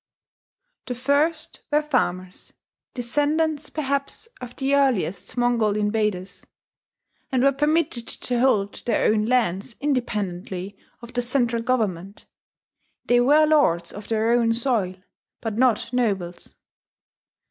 The first were farmers, descendants perhaps of the earliest Mongol invaders, and were permitted to hold their own lands independently of the central government: they were lords of their own soil, but not nobles.